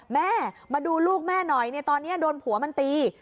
แม่มาดูลูกแม่หน่อยตอนนี้โดนผัวมันตี